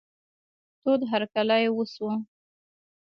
تود هرکلی وسو.